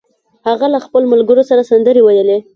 هغه له خپلو ملګرو سره سندرې ویلې